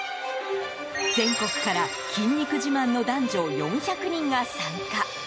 全国から筋肉自慢の男女４００人が参加。